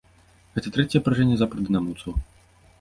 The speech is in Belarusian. Гэта трэцяе паражэнне запар дынамаўцаў.